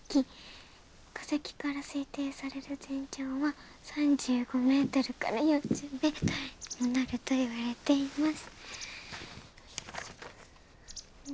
「化石から推定される全長は３５ｍから４０ｍにもなるといわれています」。